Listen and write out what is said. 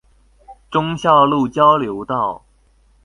忠孝路交流道